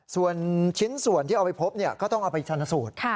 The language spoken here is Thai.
ส่วนชิ้นส่วนที่เอาไปพบก็ต้องเอาไปชันสูตร